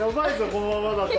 このままだと。